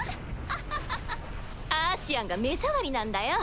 アーシアンが目障りなんだよ。